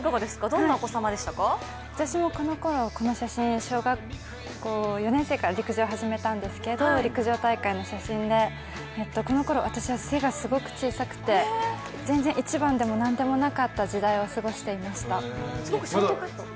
私もこのころ、この写真、小学校４年生から陸上を始めたんですけど陸上大会の写真でこのころ私は背がすごく小さくて全然一番でも何でもなかった時代を過ごしていました。